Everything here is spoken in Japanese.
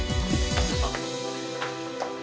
あっ。